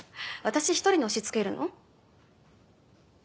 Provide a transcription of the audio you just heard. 私一人に押しつけるの？